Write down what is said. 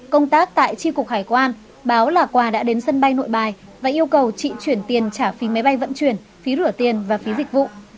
công tác tại tri cục hải quan báo là quà đã đến sân bay nội bài và yêu cầu chị chuyển tiền trả phí máy bay vận chuyển phí rửa tiền và phí dịch vụ